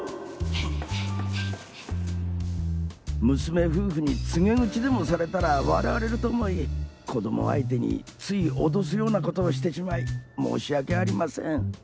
はぁはぁ娘夫婦に告げ口でもされたら笑われると思い子供相手につい脅すような事をしてしまい申し訳ありません。